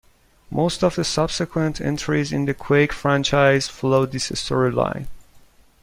Most of the subsequent entries in the "Quake" franchise follow this storyline.